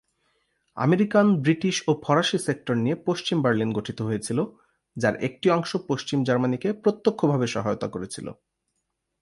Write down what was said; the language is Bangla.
আমেরিকান, ব্রিটিশ ও ফরাসি সেক্টর নিয়ে পশ্চিম বার্লিন গঠিত হয়েছিল, যার একটি অংশ পশ্চিম জার্মানিকে প্রত্যক্ষভাবে সহায়তা করেছিল।